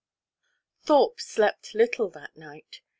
XII Thorpe slept little that night.